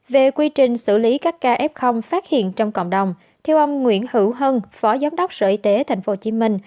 về quy trình xử lý các ca f phát hiện trong cộng đồng theo ông nguyễn hữu hân phó giám đốc sở y tế tp hcm